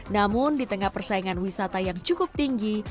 namun di tengah persaingan wisata yang cukup tinggi